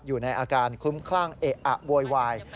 อยู่ในอาการคลุ้มคลั่งเอะอะโวยวาย